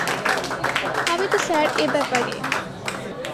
আমি তো স্যার এ ব্যাপারে।